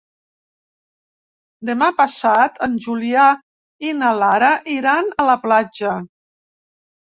Demà passat en Julià i na Lara iran a la platja.